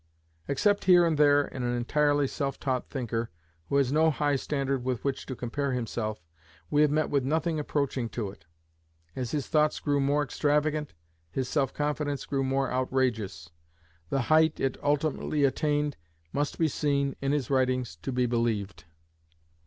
Except here and there in an entirely self taught thinker, who has no high standard with which to compare himself, we have met with nothing approaching to it. As his thoughts grew more extravagant, his self confidence grew more outrageous. The height it ultimately attained must be seen, in his writings, to be believed.